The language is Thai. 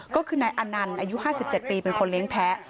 ก็คือนายอนันต์อายุ๕๗ปีเป็นคนเลี้ยงแพ้